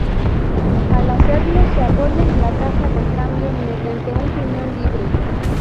Al hacerlo, se apoya en la caja del cambio mediante un piñón libre.